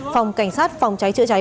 phòng cảnh sát phòng cháy chữa cháy